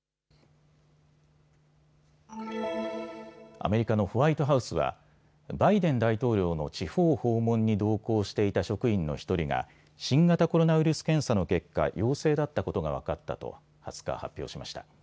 アメリカのホワイトハウスはバイデン大統領の地方訪問に同行していた職員の１人が新型コロナウイルス検査の結果、陽性だったことが分かったと２０日、発表しました。